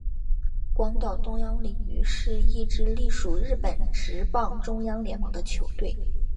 广岛东洋鲤鱼是一支隶属日本职棒中央联盟的球队。